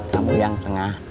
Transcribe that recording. kamu yang tengah